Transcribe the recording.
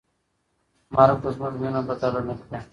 مرګ به زموږ مینه بدله نه کړي.